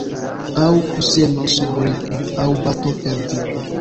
Aŭ kuseno sub ripo, aŭ bato per vipo.